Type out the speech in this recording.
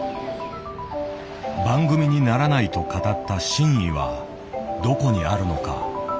「番組にならない」と語った真意はどこにあるのか。